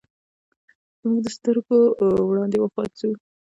زموږ د سترګو وړاندې وفات سو.